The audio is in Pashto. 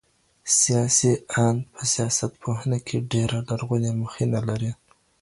سياسي آند په سياست پوهنه کي ډېره لرغونې مخېنه لري.